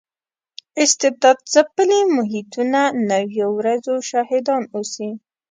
استبداد ځپلي محیطونه نویو ورځو شاهدان اوسي.